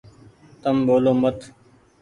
تم ٻولو مت ۔